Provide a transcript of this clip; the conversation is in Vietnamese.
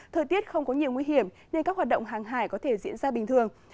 thời tiết không có nhiều nguy hiểm nên các hoạt động hàng hải có thể diễn ra bình thường